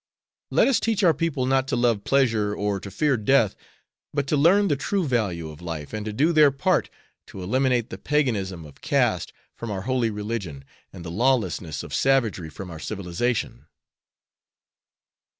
Let us teach our people not to love pleasure or to fear death, but to learn the true value of life, and to do their part to eliminate the paganism of caste from our holy religion and the lawlessness of savagery from our civilization."